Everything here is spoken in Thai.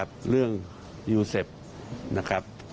ขอเลื่อนสิ่งที่คุณหนูรู้สึก